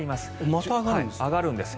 また上がるんですか。